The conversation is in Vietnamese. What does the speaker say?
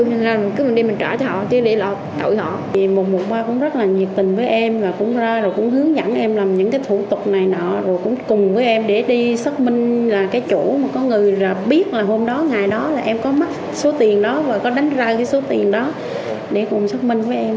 em có mắc số tiền đó và có đánh ra cái số tiền đó để cùng xác minh với em